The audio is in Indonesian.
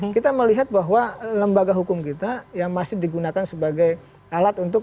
kita melihat bahwa lembaga hukum kita yang masih digunakan sebagai alat untuk